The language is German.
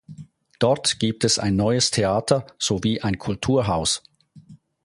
Dort gibt es ein neues Theater sowie ein Kulturhaus.